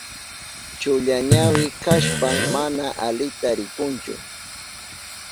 Chulla ñawi kashpan mana alita rikunchu.